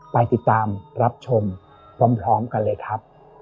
ไปติดตามรับชมพร้อมกันเลยครับ